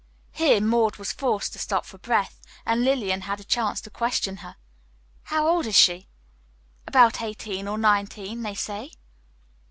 Here Maud was forced to stop for breath, and Lillian had a chance to question her. "How old is she?" "About eighteen or nineteen, they say."